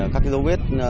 các dấu vết